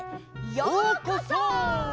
ようこそ！